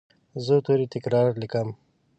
زه توري تکرار لیکم.